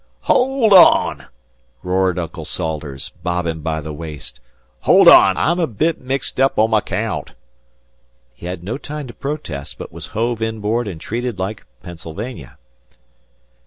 "Hold on!" roared Uncle Salters, bobbing by the waist. "Hold on, I'm a bit mixed in my caount." He had no time to protest, but was hove inboard and treated like "Pennsylvania."